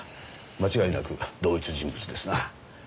間違いなく同一人物ですな。